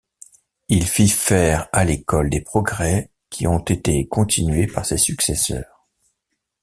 Il fit faire à l'école des progrès qui ont été continués par ses successeurs.